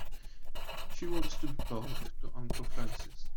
She wants to talk to Uncle Francis.